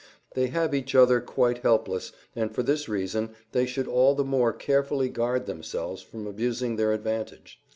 They have each other quite helpless, and for this reason they should all the more carefully guard themselves from abusing their advantage.